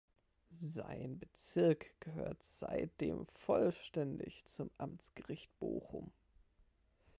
Sein Bezirk gehört seitdem vollständig zum Amtsgericht Bochum.